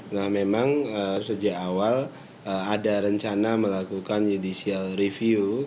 nah memang sejak awal ada rencana melakukan judicial review